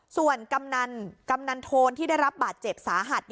ส่วนกำนันโทนที่ได้รับบาดเจ็บสาหัส